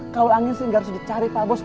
kalau angin sih nggak harus dicari pak bos